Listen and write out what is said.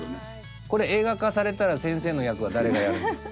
これ映画化されたら先生の役は誰がやるんですか？